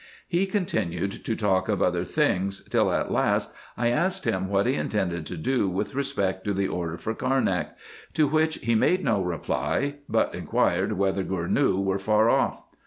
He continued to talk of other things, till at last I asked him what he intended to do with respect to the order for Carnak : to which he made no reply, but inquired whether Gournou were far off.